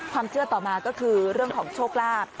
เชื่อต่อมาก็คือเรื่องของโชคลาภ